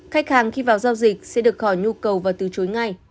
khách hàng khi vào giao dịch sẽ được khỏi nhu cầu và từ chối ngay